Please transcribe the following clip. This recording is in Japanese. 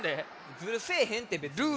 ずるせえへんてべつに。